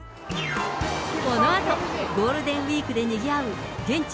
このあと、ゴールデンウィークでにぎわう現地